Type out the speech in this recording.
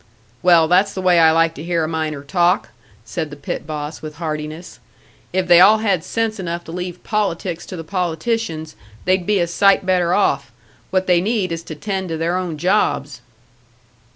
"Well, that's the way I like to hear a miner talk!" said the pit boss, with heartiness. "If they all had sense enough to leave politics to the politicians, they'd be a sight better off. What they need is to tend to their own jobs."